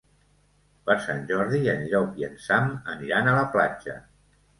Per Sant Jordi en Llop i en Sam aniran a la platja.